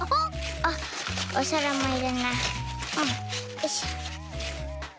あっおさらもいれなきゃ。